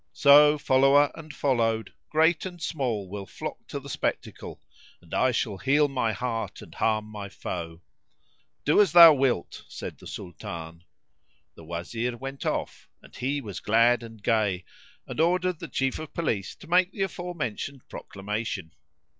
So follower and followed, great and small will flock to the spectacle, and I shall heal my heart and harm my foe." "Do as thou wilt," said the Sultan. The Wazir went off (and he was glad and gay), and ordered the Chief of Police to make the afore mentioned proclamation.